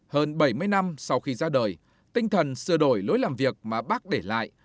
hơn bảy mươi năm sau khi ra đời tinh thần sửa đổi lối làm việc mà bác để lại